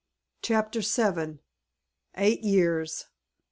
CHAPTER VII. EIGHT YEARS.